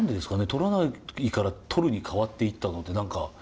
取らないから取るに変わっていったのって何か。